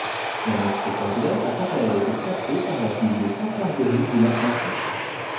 L'annexe rectangulaire a quant à elle été classée par la ville de Sainte-Marguerite-du-Lac-Masson.